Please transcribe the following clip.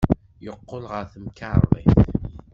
Yeqqel ɣer temkarḍit.